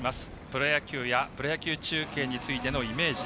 プロ野球やプロ野球中継についてのイメージ。